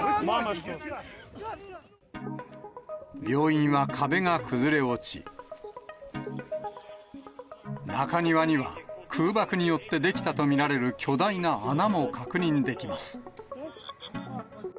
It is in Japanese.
病院は壁が崩れ落ち、中庭には空爆によって出来たと見られる巨大な穴も確認できます。